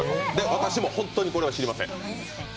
私も本当にこれは知りません。